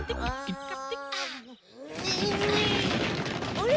あれ？